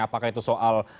apakah itu soal